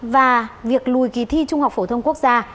và việc lùi kỳ thi trung học phổ thông quốc gia